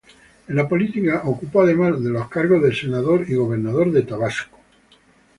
En la política ocupó además los cargos de Senador y Gobernador de Tabasco.